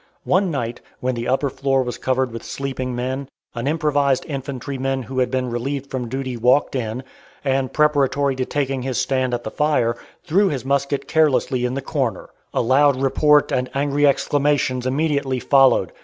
One night, when the upper floor was covered with sleeping men, an improvised infantryman who had been relieved from duty walked in, and, preparatory to taking his stand at the fire, threw his musket carelessly in the corner. A loud report and angry exclamations immediately followed.